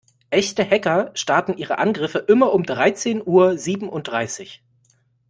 Echte Hacker starten ihre Angriffe immer um dreizehn Uhr siebenunddreißig.